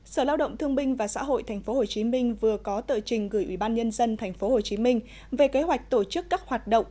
sở lao động thương binh và xã hội tp hcm vừa có tợ trình gửi ubnd tp hcm về kế hoạch tổ chức các hoạt động